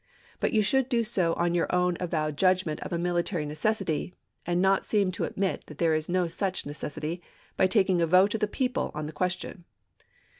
But you should do so on your own avowed judgment of a military necessity, and not seem to admit that there is no such necessity, by taking a vote of the people on the question.